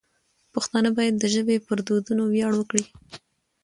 پښتانه باید د ژبې پر دودونو ویاړ وکړي.